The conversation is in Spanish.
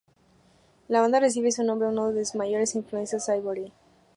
La banda recibe su nombre de uno de sus mayores influencias, Ivory.